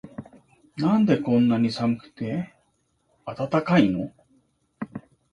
なんでこんなに寒くて熱いの